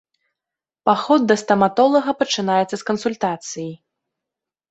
Паход да стаматолага пачынаецца з кансультацыі.